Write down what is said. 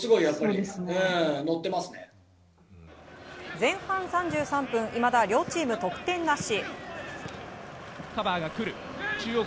前半３３分いまだ両チーム得点なし。